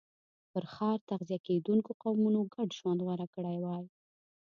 پر ښکار تغذیه کېدونکو قومونو ګډ ژوند غوره کړی وای.